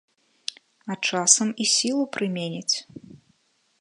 А часам, і сілу прыменяць.